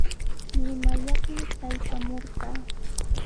Limayaqmi traykamurqaa.